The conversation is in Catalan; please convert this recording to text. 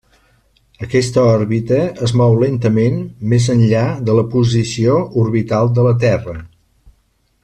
Aquesta òrbita es mou lentament més enllà de la posició orbital de la Terra.